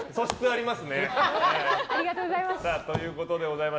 ありがとうございます。